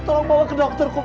tolong bawa ke dokter ku